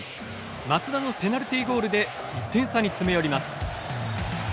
松田のペナルティゴールで１点差に詰め寄ります。